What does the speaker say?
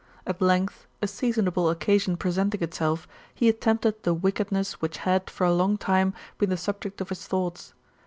At length, a seasonable occasion pre senting itself, he attempted the wickedness which had for a long time, been the subiect of his thoughts.